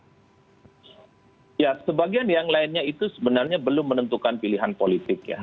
ya sebagian yang lainnya itu sebenarnya belum menentukan pilihan politik ya